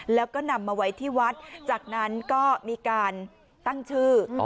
แล้วก็นำมาไว้ที่วัดจากนั้นก็มีการตั้งชื่อ